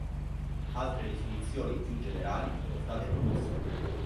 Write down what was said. Altre definizioni più generali sono state proposte.